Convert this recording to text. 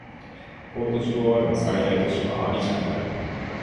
コートジボワールの最大都市はアビジャンである